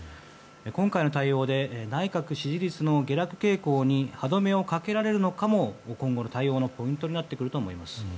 今回の対応で、内閣支持率の下落傾向に歯止めをかけられるのかも今後の対応のポイントになってくると思います。